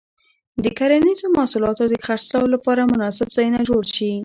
د کرنیزو محصولاتو د خرڅلاو لپاره مناسب ځایونه جوړ شي.